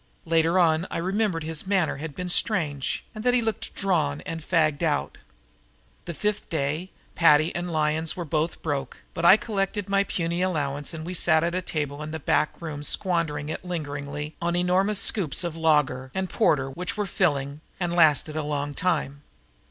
Later on I remembered his manner had been strange and that he looked drawn and fagged out. The fifth day Paddy and Lyons were both broke, but I collected my puny allowance and we sat at a table in the back room squandering it lingeringly on enormous scoops of lager and porter which were filling and lasted a long time.